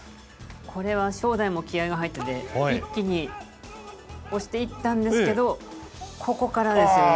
これは正代も気合いが入ってて、一気に押していったんですけど、ここからですよね。